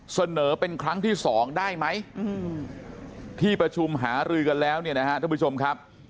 เสนอเป็นครั้งที่๒ได้ไหมที่ประชุมหารือกันแล้วเนี่ยนะฮะท่านผู้ชมครับ